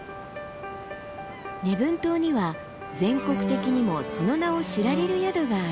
礼文島には全国的にもその名を知られる宿があります。